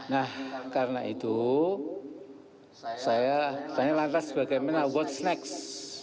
nah karena itu saya tanya lantas bagaimana what's next